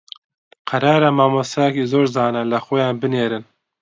قەرارە مامۆستایەکی زۆر زانا لە خۆیان بنێرن